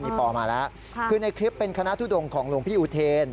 มีปอมาแล้วคือในคลิปเป็นคณะทุดงของหลวงพี่อุเทน